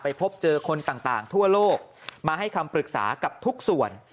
พบเจอคนต่างทั่วโลกมาให้คำปรึกษากับทุกส่วน